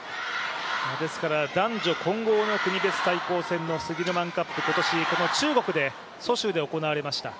男女混合の国別対抗戦のスディルマンカップ、今年、中国の蘇州で行われました。